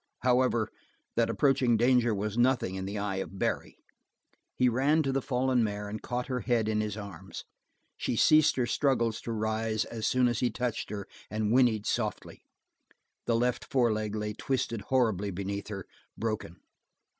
However, that approaching danger was nothing in the eye of Barry. He ran to the fallen mare and caught her head in his arms. She ceased her struggles to rise as soon as he touched her and whinneyed softly. The left foreleg lay twisted horribly beneath her, broken.